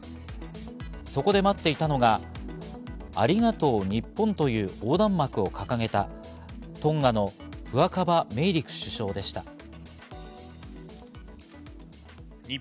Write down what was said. そこで待っていたのが、「ありがとう日本」という横断幕を掲げたトンガのフアカヴァメイリク首相でした。